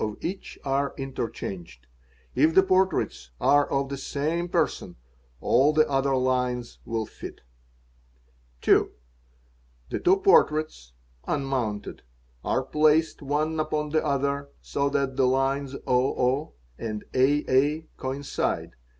of each are interchanged. If the portraits are of the same rson all the other lines will fit. _ 2. The two portraits (unmounted) are placed one upon the other, so lat the lines 00 and aa coincide.